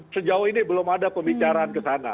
sejauh ini belum ada pembicaraan ke sana